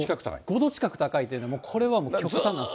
５度近く高いというのは、これはもう、極端な暑さ。